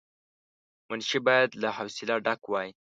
منشي باید له حوصله ډک وای.